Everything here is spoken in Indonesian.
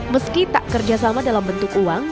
meski tak kerjasama dalam bentuk uang